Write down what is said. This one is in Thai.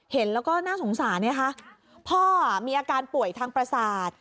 เห็นแล้วก็น่าสงสารนะคะพ่อมีอาการป่วยทางประสาท